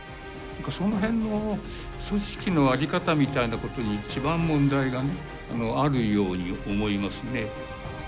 その辺の組織の在り方みたいなことに一番問題があるように思いますね。